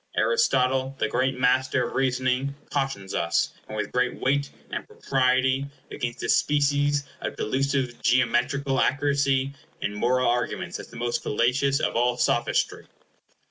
Aristotle, the great master of reasoning, cautions us, and with great weight and propriety, against this species of delusive geometrical accuracy in moral arguments as the most fallacious of all sophistry.